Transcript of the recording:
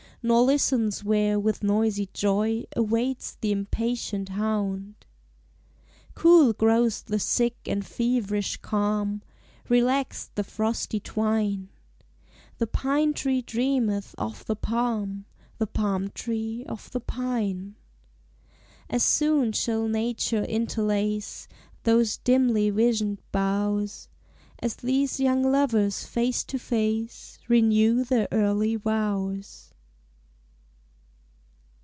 Nor listens where with noisy joy Awaits the impatient hound. Cool grows the sick and feverish calm, Relaxed the frosty twine. The pine tree dreameth of the palm, The palm tree of the pine. As soon shall nature interlace Those dimly visioned boughs, As these young lovers face to face Renew their early vows.